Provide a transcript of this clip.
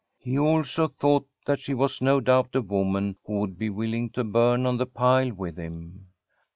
He also thought that she was no doubt a woman who would be mlling to bum on the pile with fiim.